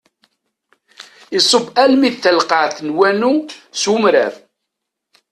Isubb almi d talqaɛt n wanu s umrar.